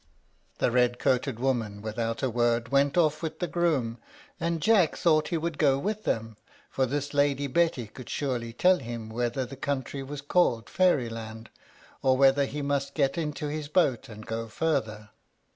The red coated woman, without a word, went off with the groom, and Jack thought he would go with them, for this Lady Betty could surely tell him whether the country was called Fairyland, or whether he must get into his boat and go farther.